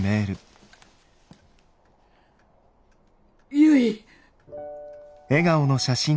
ゆい。